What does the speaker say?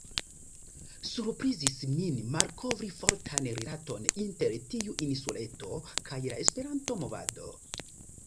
Surprizis min malkovri fortan rilaton inter tiu insuleto kaj la Esperanto-movado.